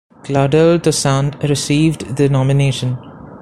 Claudel Toussaint received the nomination.